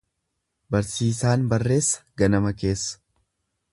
Barsiisaan barreessa ganama keessa.